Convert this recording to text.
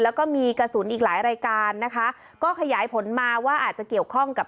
แล้วก็มีกระสุนอีกหลายรายการนะคะก็ขยายผลมาว่าอาจจะเกี่ยวข้องกับ